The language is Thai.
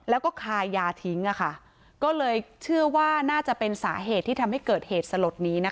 แล้วก็คายาทิ้งก็เลยเชื่อว่าน่าจะเป็นสาเหตุที่ทำให้เกิดเหตุสลดนี้นะคะ